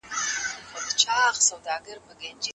څېړونکي نوي لاره پیدا کړې ده.